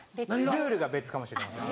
ルールが別かもしれません。